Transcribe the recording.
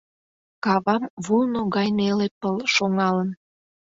Кавам вулно гай неле пыл шоҥалын.